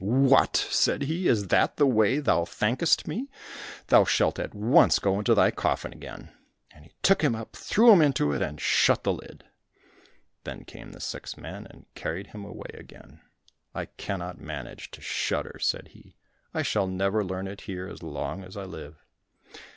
"What!" said he, "is that the way thou thankest me? Thou shalt at once go into thy coffin again," and he took him up, threw him into it, and shut the lid. Then came the six men and carried him away again. "I cannot manage to shudder," said he. "I shall never learn it here as long as I live."